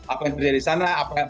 apa yang bagaimana perkembangan